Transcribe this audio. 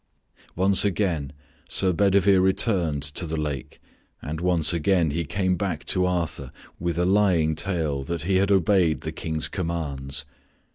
Once again Sir Bedivere returned to the lake and once again he came back to Arthur with a lying tale that he had obeyed the King's commands.